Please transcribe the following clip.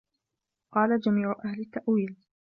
قَالَ جَمِيعُ أَهْلِ التَّأْوِيلِ